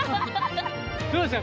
どうでした？